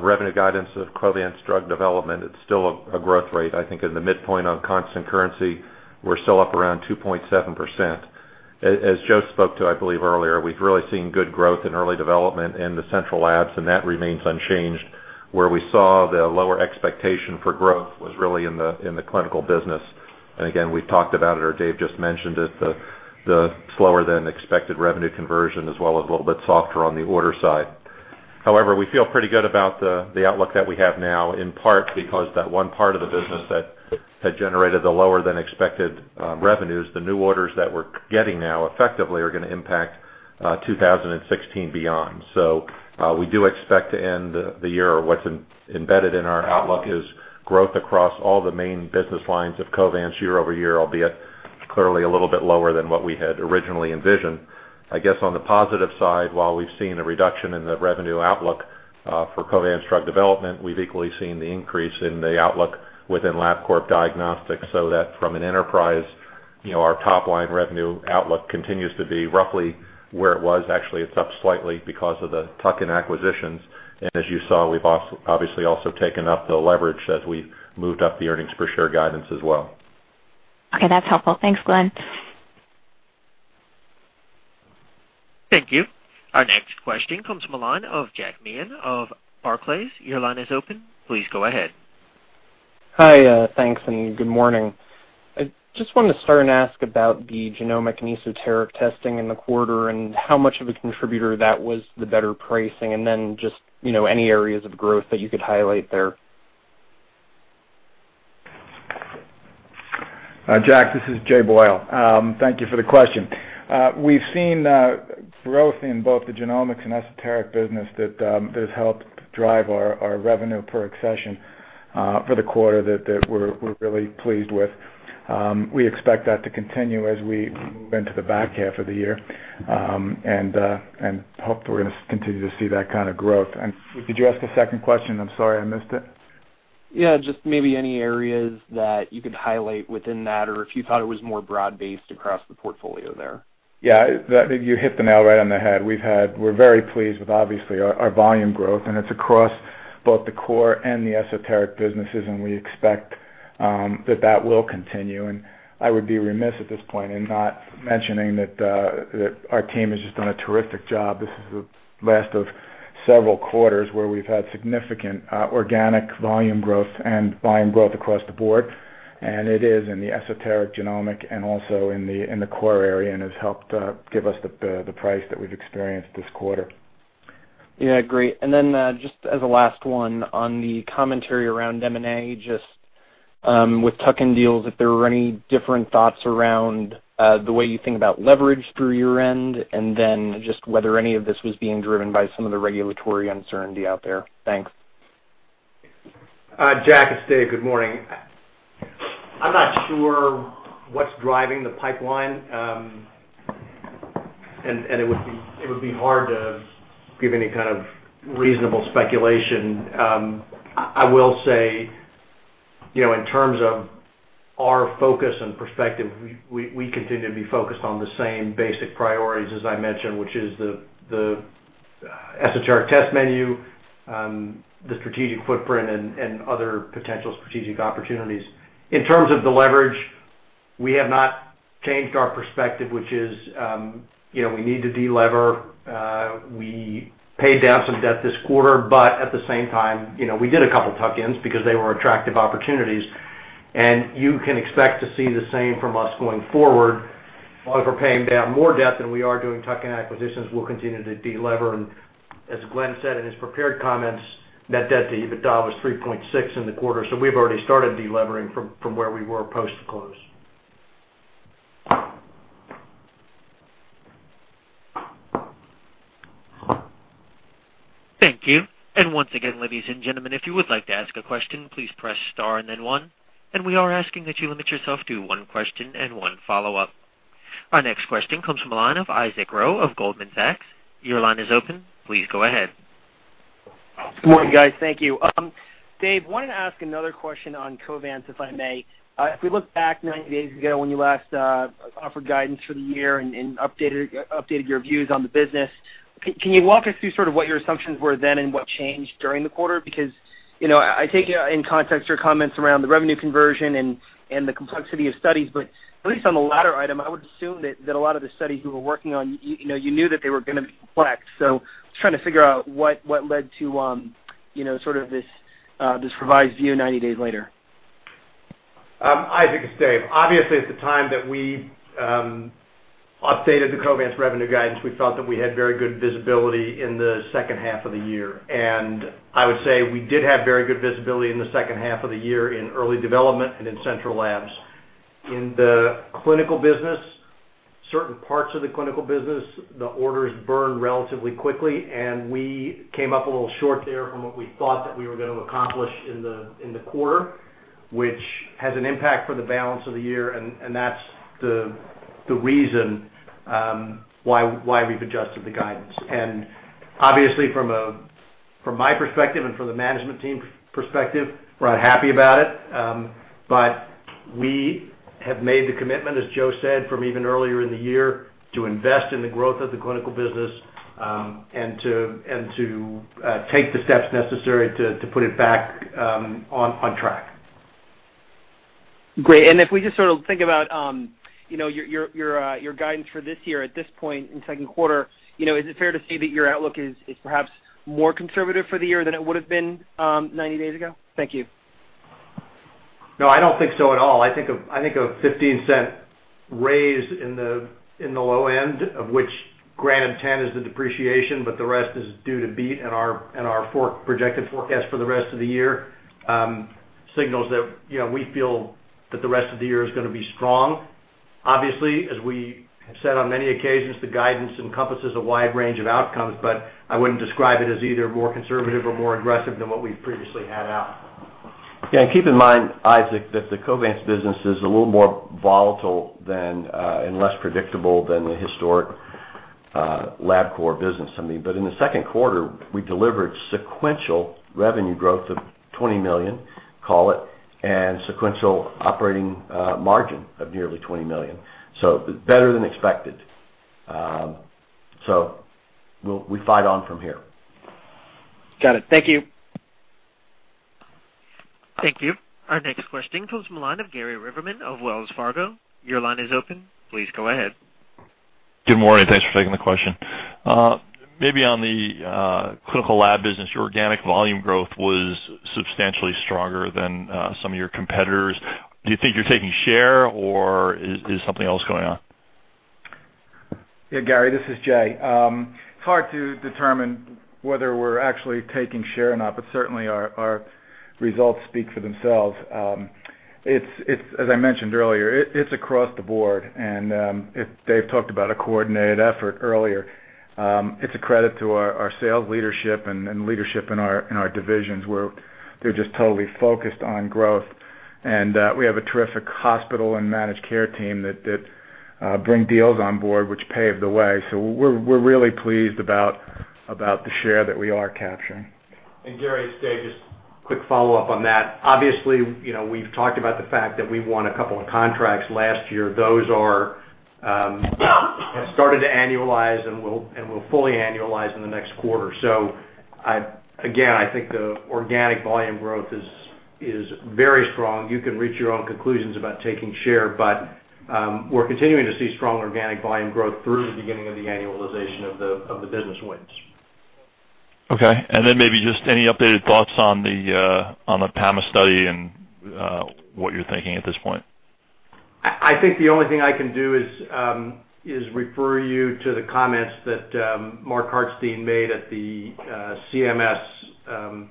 revenue guidance of Covance Drug Development, it's still a growth rate. I think in the midpoint on constant currency, we're still up around 2.7%. As Joe spoke to, I believe, earlier, we've really seen good growth in early development in the Central Labs, and that remains unchanged, where we saw the lower expectation for growth was really in the clinical business. Again, we've talked about it, or Dave just mentioned it, the slower than expected revenue conversion, as well as a little bit softer on the order side. However, we feel pretty good about the outlook that we have now, in part because that one part of the business that had generated the lower than expected revenues, the new orders that we're getting now effectively are going to impact 2016 beyond. We do expect to end the year, or what's embedded in our outlook, is growth across all the main business lines of Covance year over year, albeit clearly a little bit lower than what we had originally envisioned. I guess on the positive side, while we've seen a reduction in the revenue outlook for Covance Drug Development, we've equally seen the increase in the outlook within Labcorp Diagnostics so that from an enterprise, our top-line revenue outlook continues to be roughly where it was. Actually, it's up slightly because of the Tucken acquisitions. As you saw, we've obviously also taken up the leverage as we moved up the earnings per share guidance as well. Okay. That's helpful. Thanks, Glenn. Thank you. Our next question comes from a line of [Jack Ian] of Barclays. Your line is open. Please go ahead. Hi, thanks, and good morning. I just wanted to start and ask about the genomic and esoteric testing in the quarter and how much of a contributor that was to the better pricing, and then just any areas of growth that you could highlight there. Jack, this is Jay Boyle. Thank you for the question. We've seen growth in both the genomics and esoteric business that has helped drive our revenue per accession for the quarter that we're really pleased with. We expect that to continue as we move into the back half of the year and hope that we're going to continue to see that kind of growth. Did you ask the second question? I'm sorry, I missed it. Yeah, just maybe any areas that you could highlight within that or if you thought it was more broad-based across the portfolio there. Yeah, you hit the nail right on the head. We're very pleased with, obviously, our volume growth, and it's across both the core and the esoteric businesses, and we expect that that will continue. I would be remiss at this point in not mentioning that our team has just done a terrific job. This is the last of several quarters where we've had significant organic volume growth and volume growth across the board. It is in the esoteric, genomic, and also in the core area and has helped give us the price that we've experienced this quarter. Yeah, great. And then just as a last one on the commentary around M&A, just with tuck-in deals, if there were any different thoughts around the way you think about leverage through year end, and then just whether any of this was being driven by some of the regulatory uncertainty out there. Thanks. Jack, it's Dave. Good morning. I'm not sure what's driving the pipeline, and it would be hard to give any kind of reasonable speculation. I will say in terms of our focus and perspective, we continue to be focused on the same basic priorities, as I mentioned, which is the esoteric test menu, the strategic footprint, and other potential strategic opportunities. In terms of the leverage, we have not changed our perspective, which is we need to delever. We paid down some debt this quarter, but at the same time, we did a couple of tuck-ins because they were attractive opportunities. You can expect to see the same from us going forward. While we're paying down more debt than we are doing tuck-in acquisitions, we'll continue to delever. As Glenn said in his prepared comments, net debt to EBITDA was 3.6x in the quarter, so we've already started delevering from where we were post-close. Thank you. Once again, ladies and gentlemen, if you would like to ask a question, please press star and then one. We are asking that you limit yourself to one question and one follow-up. Our next question comes from the line of Isaac Ro of Goldman Sachs. Your line is open. Please go ahead. Good morning, guys. Thank you. Dave, I wanted to ask another question on Covance, if I may. If we look back 90 days ago when you last offered guidance for the year and updated your views on the business, can you walk us through sort of what your assumptions were then and what changed during the quarter? Because I take it in context your comments around the revenue conversion and the complexity of studies, but at least on the latter item, I would assume that a lot of the studies we were working on, you knew that they were going to be complex. I was trying to figure out what led to sort of this revised view 90 days later. Isaac is Dave. Obviously, at the time that we updated the Covance revenue guidance, we felt that we had very good visibility in the second half of the year. I would say we did have very good visibility in the second half of the year in early development and in Central Labs. In the clinical business, certain parts of the clinical business, the orders burned relatively quickly, and we came up a little short there from what we thought that we were going to accomplish in the quarter, which has an impact for the balance of the year, and that's the reason why we've adjusted the guidance. Obviously, from my perspective and from the management team perspective, we're not happy about it, but we have made the commitment, as Joe said, from even earlier in the year to invest in the growth of the clinical business and to take the steps necessary to put it back on track. Great. If we just sort of think about your guidance for this year at this point in second quarter, is it fair to say that your outlook is perhaps more conservative for the year than it would have been 90 days ago? Thank you. No, I don't think so at all. I think a $0.15 raise in the low end, of which, granted, $0.10 is the depreciation, but the rest is due to beat in our projected forecast for the rest of the year, signals that we feel that the rest of the year is going to be strong. Obviously, as we have said on many occasions, the guidance encompasses a wide range of outcomes, but I wouldn't describe it as either more conservative or more aggressive than what we've previously had out. Yeah, and keep in mind, Isaac, that the Covance business is a little more volatile and less predictable than the historic Labcorp business. I mean, but in the second quarter, we delivered sequential revenue growth of $20 million, call it, and sequential operating margin of nearly $20 million. So better than expected. So we fight on from here. Got it. Thank you. Thank you. Our next question comes from a line of [Gary Riverman] of Wells Fargo. Your line is open. Please go ahead. Good morning. Thanks for taking the question. Maybe on the clinical lab business, your organic volume growth was substantially stronger than some of your competitors. Do you think you're taking share, or is something else going on? Yeah, Gary, this is Jay. It's hard to determine whether we're actually taking share or not, but certainly our results speak for themselves. As I mentioned earlier, it's across the board. Dave talked about a coordinated effort earlier. It's a credit to our sales leadership and leadership in our divisions where they're just totally focused on growth. We have a terrific hospital and managed care team that bring deals on board, which paved the way. We're really pleased about the share that we are capturing. Gary, Dave, just quick follow-up on that. Obviously, we've talked about the fact that we won a couple of contracts last year. Those have started to annualize, and will fully annualize in the next quarter. I think the organic volume growth is very strong. You can reach your own conclusions about taking share, but we're continuing to see strong organic volume growth through the beginning of the annualization of the business wins. Okay. Maybe just any updated thoughts on the PAMA study and what you're thinking at this point? I think the only thing I can do is refer you to the comments that Mark Hartstein made at the CMS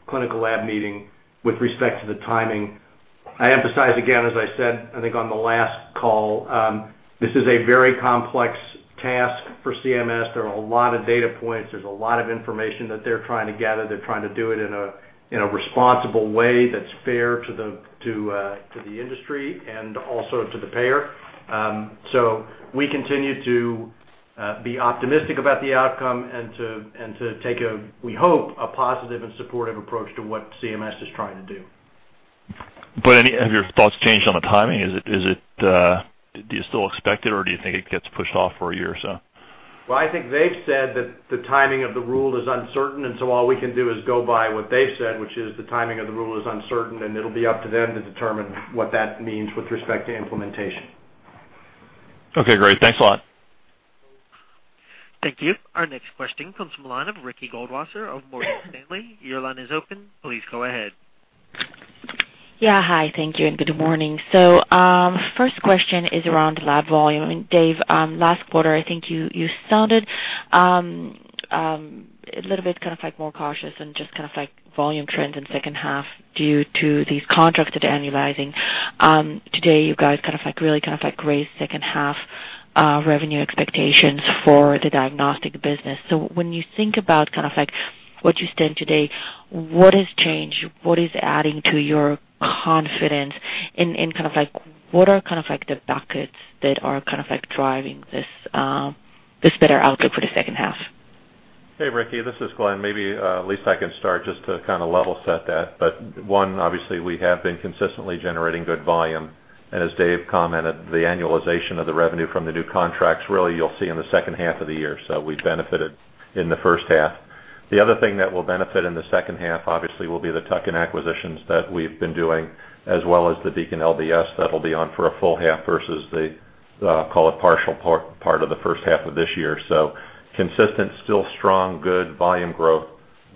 clinical lab meeting with respect to the timing. I emphasize again, as I said, I think on the last call, this is a very complex task for CMS. There are a lot of data points. There's a lot of information that they're trying to gather. They're trying to do it in a responsible way that's fair to the industry and also to the payer. We continue to be optimistic about the outcome and to take, we hope, a positive and supportive approach to what CMS is trying to do. Have your thoughts changed on the timing? Do you still expect it, or do you think it gets pushed off for a year or so? I think they've said that the timing of the rule is uncertain, and so all we can do is go by what they've said, which is the timing of the rule is uncertain, and it'll be up to them to determine what that means with respect to implementation. Okay, great. Thanks a lot. Thank you. Our next question comes from a line of Ricky Goldwasser of Morgan Stanley. Your line is open. Please go ahead. Yeah, hi. Thank you and good morning. First question is around lab volume. Dave, last quarter, I think you sounded a little bit kind of more cautious and just kind of volume trends in second half due to these contracts that are annualizing. Today, you guys kind of really raised second half revenue expectations for the diagnostic business. When you think about kind of what you said today, what has changed? What is adding to your confidence? And kind of what are the buckets that are kind of driving this better outlook for the second half? Hey, Ricky. This is Glenn. Maybe at least I can start just to kind of level set that. But one, obviously, we have been consistently generating good volume. And as Dave commented, the annualization of the revenue from the new contracts, really, you'll see in the second half of the year. So we benefited in the first half. The other thing that will benefit in the second half, obviously, will be the Tucken acquisitions that we've been doing, as well as the Beacon LBS that will be on for a full half versus the, call it, partial part of the first half of this year. So consistent, still strong, good volume growth,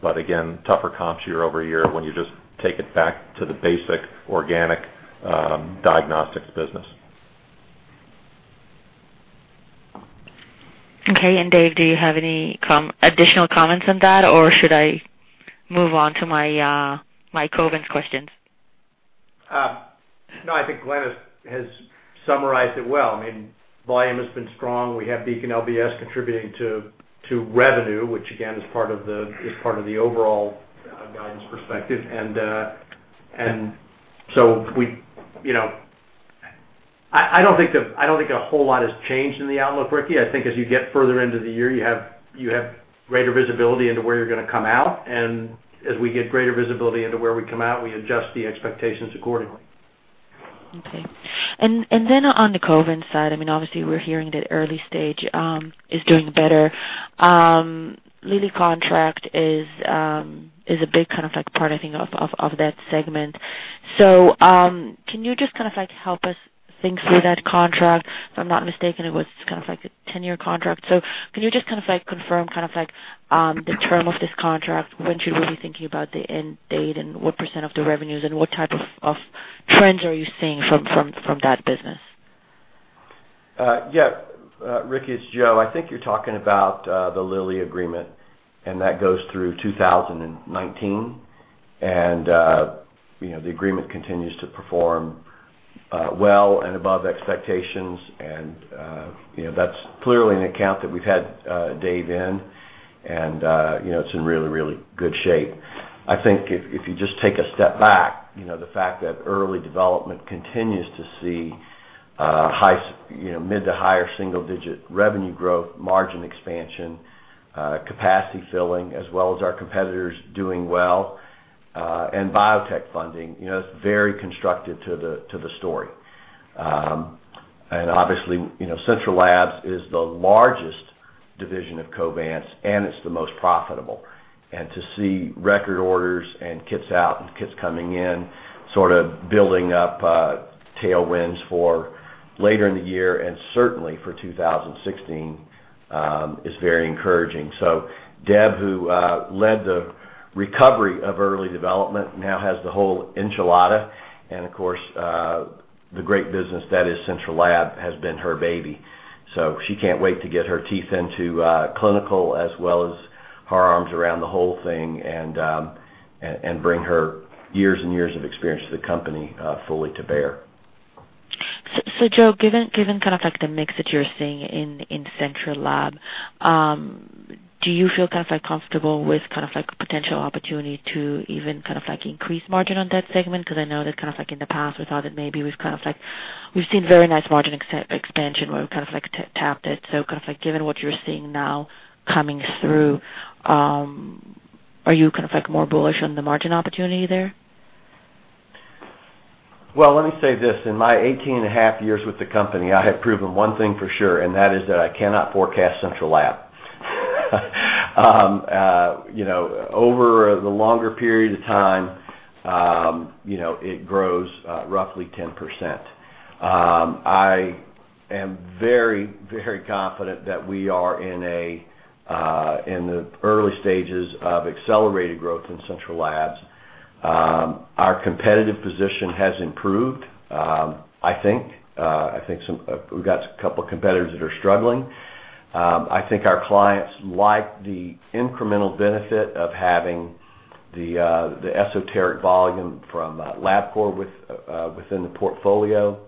but again, tougher comps year over year when you just take it back to the basic organic diagnostics business. Okay. Dave, do you have any additional comments on that, or should I move on to my Covance questions? No, I think Glenn has summarized it well. I mean, volume has been strong. We have Beacon LBS contributing to revenue, which again is part of the overall guidance perspective. I do not think a whole lot has changed in the outlook, Ricky. I think as you get further into the year, you have greater visibility into where you are going to come out. As we get greater visibility into where we come out, we adjust the expectations accordingly. Okay. And then on the Covance side, I mean, obviously, we're hearing that early stage is doing better. Lilly contract is a big kind of part, I think, of that segment. Can you just kind of help us think through that contract? If I'm not mistaken, it was kind of a 10-year contract. Can you just kind of confirm kind of the term of this contract? When should we be thinking about the end date and what percent of the revenues and what type of trends are you seeing from that business? Yeah, Ricky, it's Joe. I think you're talking about the Lilly agreement, and that goes through 2019. The agreement continues to perform well and above expectations. That's clearly an account that we've had Dave in, and it's in really, really good shape. I think if you just take a step back, the fact that early development continues to see mid to higher single-digit revenue growth, margin expansion, capacity filling, as well as our competitors doing well, and biotech funding, it's very constructive to the story. Obviously, Central Labs is the largest division of Covance, and it's the most profitable. To see record orders and kits out and kits coming in, sort of building up tailwinds for later in the year and certainly for 2016 is very encouraging. Deb, who led the recovery of early development, now has the whole enchilada. Of course, the great business that is Central Lab has been her baby. She can't wait to get her teeth into clinical as well as her arms around the whole thing and bring her years and years of experience to the company fully to bear. Joe, given kind of the mix that you're seeing in Central Lab, do you feel kind of comfortable with kind of a potential opportunity to even kind of increase margin on that segment? Because I know that kind of in the past, we thought that maybe we've kind of seen very nice margin expansion where we kind of tapped it. Given what you're seeing now coming through, are you kind of more bullish on the margin opportunity there? In my 18 and a half years with the company, I have proven one thing for sure, and that is that I cannot forecast Central Lab. Over the longer period of time, it grows roughly 10%. I am very, very confident that we are in the early stages of accelerated growth in Central Labs. Our competitive position has improved, I think. I think we've got a couple of competitors that are struggling. I think our clients like the incremental benefit of having the esoteric volume from Labcorp within the portfolio.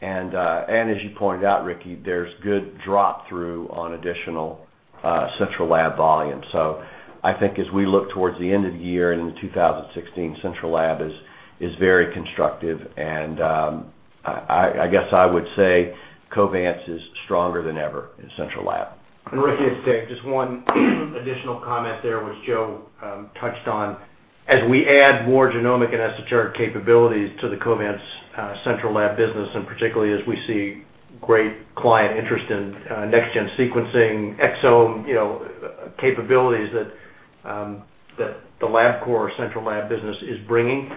As you pointed out, Ricky, there's good drop-through on additional Central Lab volume. I think as we look towards the end of the year and into 2016, Central Lab is very constructive. I guess I would say Covance is stronger than ever in Central Lab. Ricky, this is Dave. Just one additional comment there, which Joe touched on. As we add more genomic and esoteric capabilities to the Covance Central Lab business, and particularly as we see great client interest in next-gen sequencing, exome capabilities that the Labcorp or Central Lab business is bringing,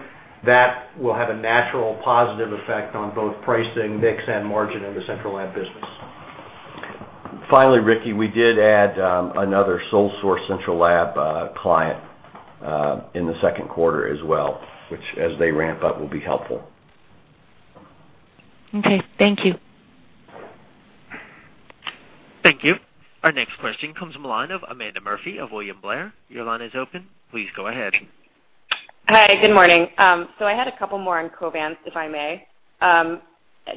that will have a natural positive effect on both pricing, mix, and margin in the Central Lab business. Finally, Ricky, we did add another sole source central lab client in the second quarter as well, which as they ramp up will be helpful. Okay. Thank you. Thank you. Our next question comes from a line of Amanda Murphy of William Blair. Your line is open. Please go ahead. Hi. Good morning. I had a couple more on Covance, if I may.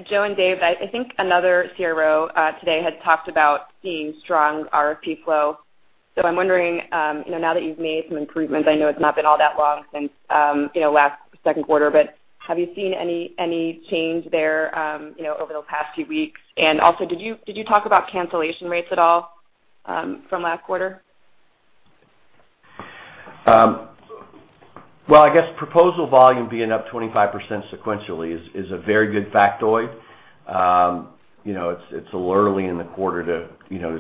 Joe and Dave, I think another CRO today had talked about seeing strong RFP flow. I'm wondering, now that you've made some improvements, I know it's not been all that long since last second quarter, but have you seen any change there over the past few weeks? Also, did you talk about cancellation rates at all from last quarter? I guess proposal volume being up 25% sequentially is a very good factoid. It's a little early in the quarter to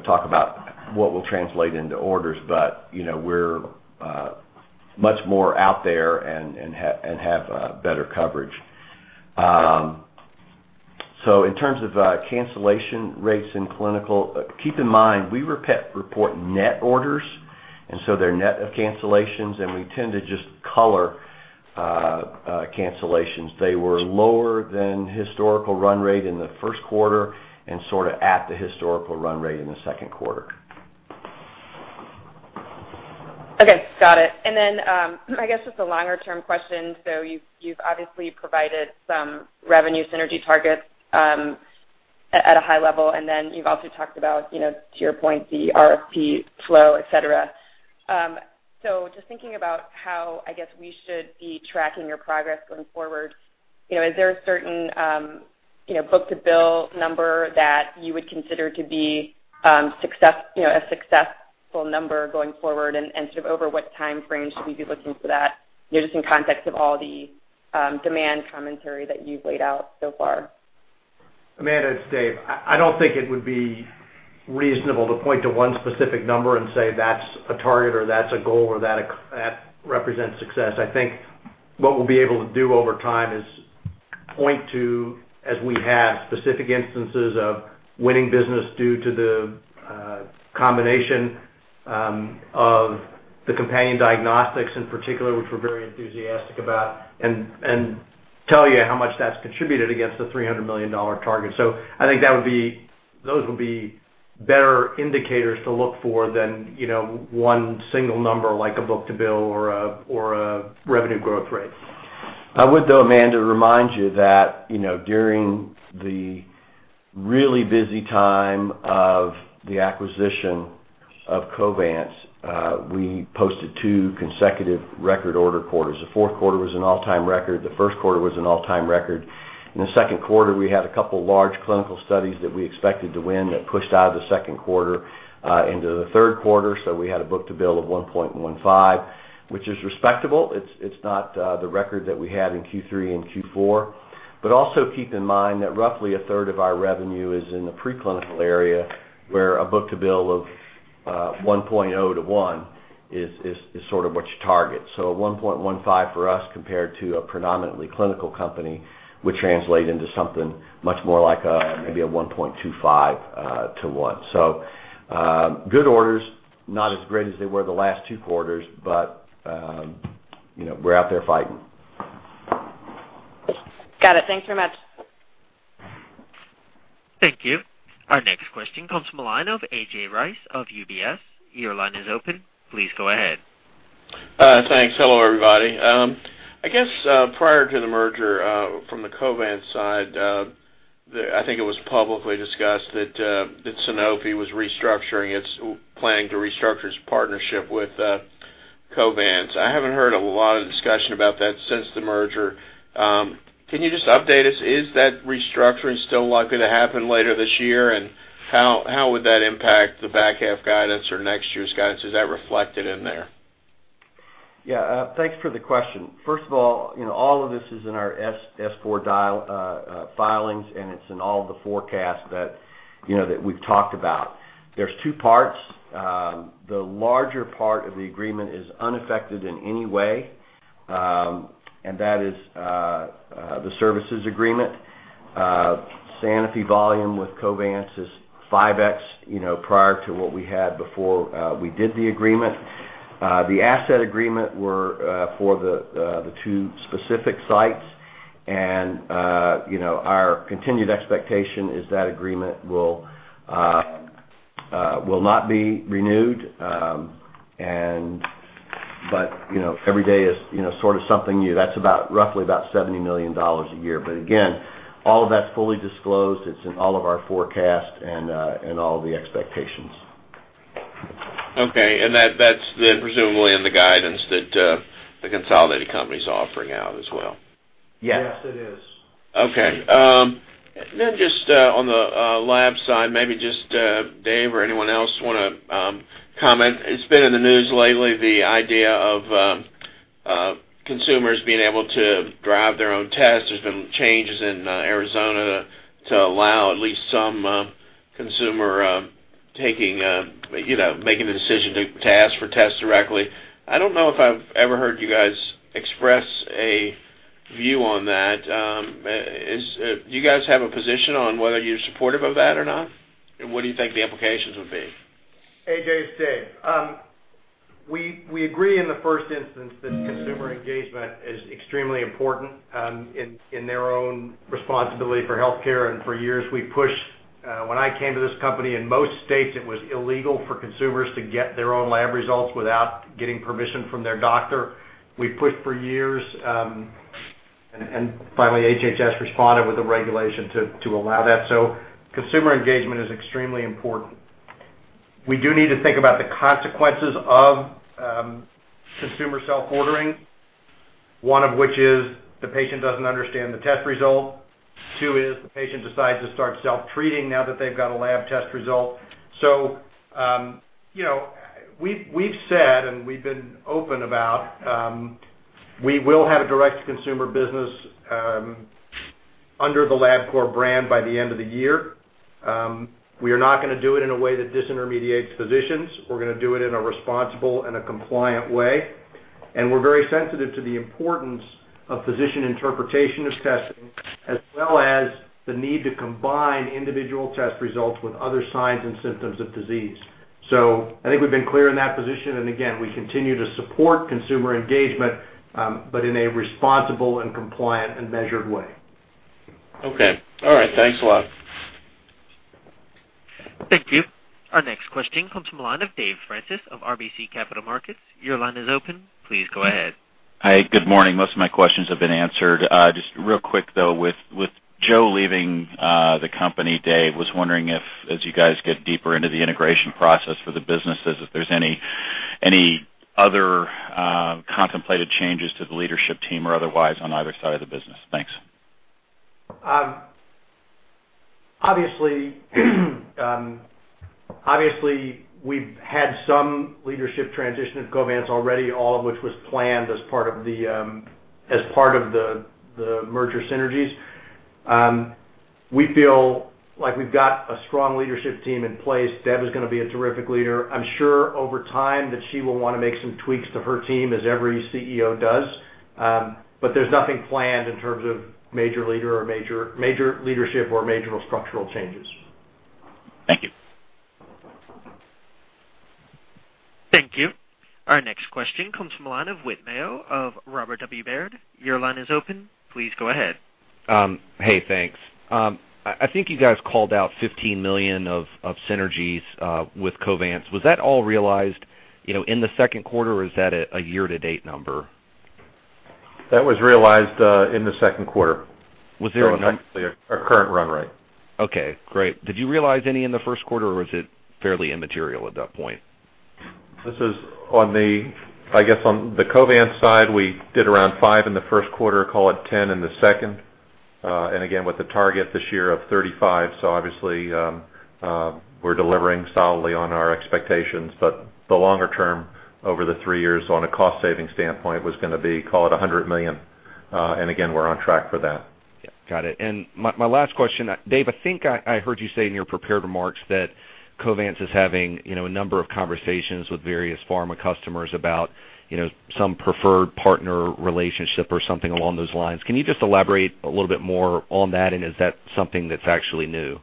talk about what will translate into orders, but we're much more out there and have better coverage. In terms of cancellation rates in clinical, keep in mind we report net orders, and so they're net of cancellations, and we tend to just color cancellations. They were lower than historical run rate in the first quarter and sort of at the historical run rate in the second quarter. Okay. Got it. I guess just a longer-term question. You've obviously provided some revenue synergy targets at a high level, and you've also talked about, to your point, the ERP flow, etc. Just thinking about how I guess we should be tracking your progress going forward, is there a certain book to bill number that you would consider to be a successful number going forward? Over what time frame should we be looking for that, just in context of all the demand commentary that you've laid out so far? Amanda and Dave, I do not think it would be reasonable to point to one specific number and say, "That's a target or that's a goal or that represents success." I think what we will be able to do over time is point to, as we have specific instances of winning business due to the combination of the companion diagnostics in particular, which we are very enthusiastic about, and tell you how much that has contributed against the $300 million target. I think those would be better indicators to look for than one single number like a book-to-bill or a revenue growth rate. I would, though, Amanda, remind you that during the really busy time of the acquisition of Covance, we posted two consecutive record order quarters. The fourth quarter was an all-time record. The first quarter was an all-time record. In the second quarter, we had a couple of large clinical studies that we expected to win that pushed out of the second quarter into the third quarter. We had a book-to-bill of 1.15x, which is respectable. It is not the record that we had in Q3 and Q4. Also keep in mind that roughly a third of our revenue is in the preclinical area where a book-to-bill of 1.0x to 1x is sort of what you target. 1.15x for us compared to a predominantly clinical company translates into something much more like maybe a 1.25x to 1x. Good orders, not as great as they were the last two quarters, but we're out there fighting. Got it. Thanks very much. Thank you. Our next question comes from a line of AJ Rice of UBS. Your line is open. Please go ahead. Thanks. Hello, everybody. I guess prior to the merger from the Covance side, I think it was publicly discussed that Sanofi was restructuring. It's planning to restructure its partnership with Covance. I haven't heard a lot of discussion about that since the merger. Can you just update us? Is that restructuring still likely to happen later this year? How would that impact the back-half guidance or next year's guidance? Is that reflected in there? Yeah. Thanks for the question. First of all, all of this is in our S4 filings, and it's in all the forecasts that we've talked about. There's two parts. The larger part of the agreement is unaffected in any way, and that is the services agreement. Sanofi volume with Covance is 5x prior to what we had before we did the agreement. The asset agreement was for the two specific sites. Our continued expectation is that agreement will not be renewed. Every day is sort of something new. That's roughly about $70 million a year. Again, all of that's fully disclosed. It's in all of our forecasts and all of the expectations. Okay. And that's then presumably in the guidance that the consolidated company is offering out as well? Yes. Yes, it is. Okay. Just on the lab side, maybe just Dave or anyone else want to comment? It's been in the news lately, the idea of consumers being able to drive their own tests. There's been changes in Arizona to allow at least some consumer making the decision to ask for tests directly. I don't know if I've ever heard you guys express a view on that. Do you guys have a position on whether you're supportive of that or not? What do you think the implications would be? AJ is Dave. We agree in the first instance that consumer engagement is extremely important in their own responsibility for healthcare. For years, we pushed. When I came to this company in most states, it was illegal for consumers to get their own lab results without getting permission from their doctor. We pushed for years. Finally, HHS responded with a regulation to allow that. Consumer engagement is extremely important. We do need to think about the consequences of consumer self-ordering, one of which is the patient does not understand the test result. Two is the patient decides to start self-treating now that they have got a lab test result. We have said, and we have been open about, we will have a direct-to-consumer business under the Labcorp brand by the end of the year. We are not going to do it in a way that disintermediates physicians. We're going to do it in a responsible and a compliant way. We are very sensitive to the importance of physician interpretation of testing as well as the need to combine individual test results with other signs and symptoms of disease. I think we've been clear in that position. We continue to support consumer engagement, but in a responsible and compliant and measured way. Okay. All right. Thanks a lot. Thank you. Our next question comes from a line of Dave Francis of RBC Capital Markets. Your line is open. Please go ahead. Hi. Good morning. Most of my questions have been answered. Just real quick, though, with Joe leaving the company, Dave was wondering if, as you guys get deeper into the integration process for the businesses, if there's any other contemplated changes to the leadership team or otherwise on either side of the business. Thanks. Obviously, we've had some leadership transition at Covance already, all of which was planned as part of the merger synergies. We feel like we've got a strong leadership team in place. Deb is going to be a terrific leader. I'm sure over time that she will want to make some tweaks to her team as every CEO does. There's nothing planned in terms of major leader or major leadership or major structural changes. Thank you. Thank you. Our next question comes from a line of [Whitmale] of Robert W. Baird. Your line is open. Please go ahead. Hey, thanks. I think you guys called out $15 million of synergies with Covance. Was that all realized in the second quarter, or is that a year-to-date number? That was realized in the second quarter. Was there a run rate? A current run rate. Okay. Great. Did you realize any in the first quarter, or was it fairly immaterial at that point? This is on the, I guess, on the Covance side, we did around five in the first quarter, called it ten in the second. Again, with the target this year of thirty-five. Obviously, we're delivering solidly on our expectations. The longer term over the three years on a cost-saving standpoint was going to be, call it $100 million. Again, we're on track for that. Got it. My last question, Dave, I think I heard you say in your prepared remarks that Covance is having a number of conversations with various pharma customers about some preferred partner relationship or something along those lines. Can you just elaborate a little bit more on that, and is that something that's actually new?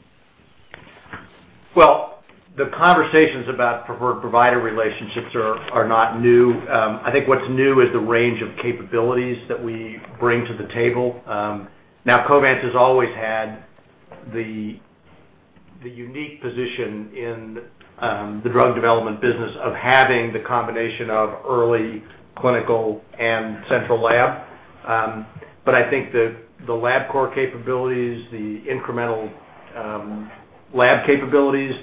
The conversations about preferred provider relationships are not new. I think what's new is the range of capabilities that we bring to the table. Covance has always had the unique position in the drug development business of having the combination of early clinical and central lab. I think the Labcorp capabilities, the incremental lab capabilities,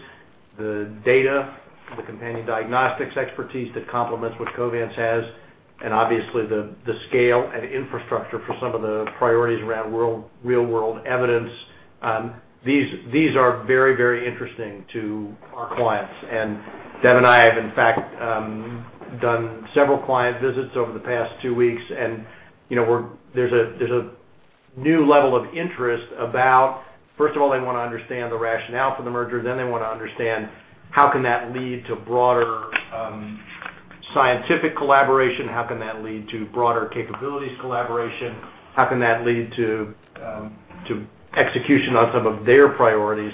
the data, the companion diagnostics expertise that complements what Covance has, and obviously the scale and infrastructure for some of the priorities around real-world evidence, these are very, very interesting to our clients. Deb and I have, in fact, done several client visits over the past two weeks. There's a new level of interest about, first of all, they want to understand the rationale for the merger. They want to understand how can that lead to broader scientific collaboration? How can that lead to broader capabilities collaboration? How can that lead to execution on some of their priorities?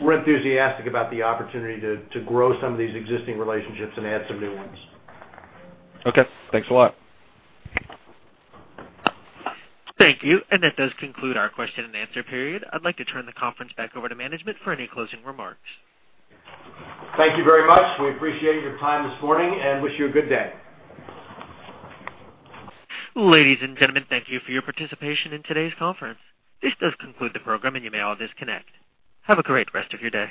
We're enthusiastic about the opportunity to grow some of these existing relationships and add some new ones. Okay. Thanks a lot. Thank you. That does conclude our question and answer period. I'd like to turn the conference back over to management for any closing remarks. Thank you very much. We appreciate your time this morning and wish you a good day. Ladies and gentlemen, thank you for your participation in today's conference. This does conclude the program, and you may all disconnect. Have a great rest of your day.